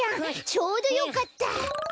ちょうどよかった。